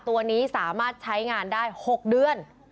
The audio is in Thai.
ตัวนี้สามารถใช้งานได้๖เดือน